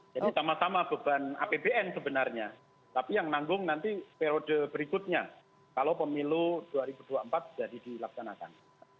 jadi sama sama beban apbn sebenarnya tapi yang menanggung nanti periode berikutnya kalau pemilu dua ribu dua puluh empat jadi dilaksanakan